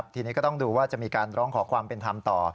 ทีนี้ก็ต้องดูว่าจะมีการร้องขอความเป็นธรรมต่อ